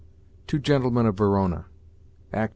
Two Gentlemen of Verona, II.